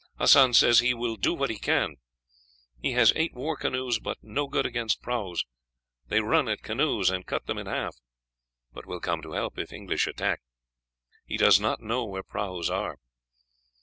Hassan says he will do what he can. He has eight war canoes, but no good against prahus they run at canoes, and cut them in half; but will come to help if English attack. He does not know where prahus are.